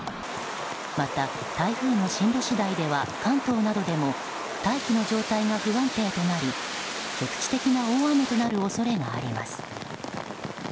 また、台風の進路次第では関東などでも大気の状態が不安定となり局地的な大雨となる恐れがあります。